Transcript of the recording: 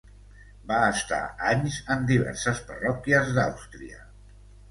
Va estar anys en diverses parròquies d'Àustria.